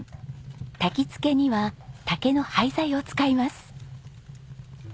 たき付けには竹の廃材を使います。